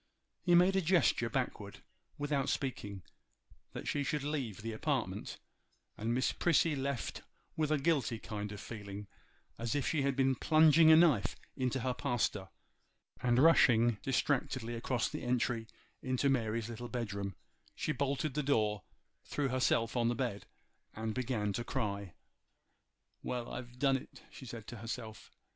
He made a gesture backward, without speaking, that she should leave the apartment; and Miss Prissy left with a guilty kind of feeling, as if she had been plunging a knife in her pastor; and rushing distractedly across the entry into Mary's little bedroom, she bolted the door, threw herself on the bed, and began to cry. 'Well! I've done it,' she said to herself.